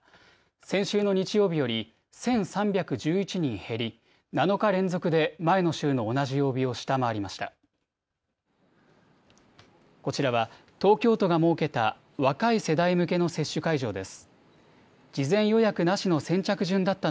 先週の日曜日より１３１１人減り７日連続で前の週の同じ曜日を下回りました。